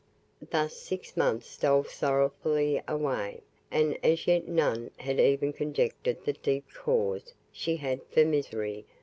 Thus six months stole sorrowfully away, and as yet none had even conjectured the deep cause she had for misery.